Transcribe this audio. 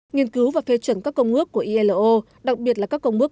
nghiên cứu và phê chuẩn các công ước của ilo đặc biệt là các công ước